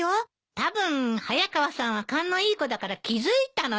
たぶん早川さんは勘のいい子だから気付いたのよ。